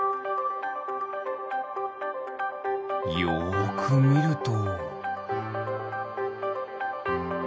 よくみると。